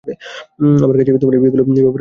আমার কাছে এই বিয়েগুলোর ব্যাপারে অনেক তথ্য আছে।